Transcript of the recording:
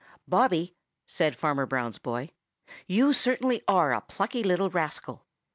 "Bobby," said Farmer Brown's boy, "you certainly are a plucky little rascal.